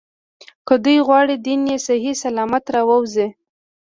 که دوی غواړي دین یې صحیح سلامت راووځي.